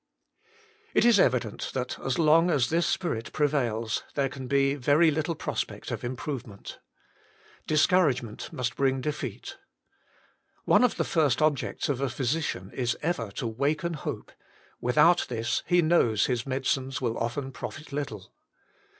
It is evident that as long as this spirit prevails, there can be very little prospect of improvement. Discouragement must bring defeat. One of the first objects of a physician is ever to waken hope ; without this he knows his medicines will often 82 THE MINISTRY OF INTERCESSION profit little.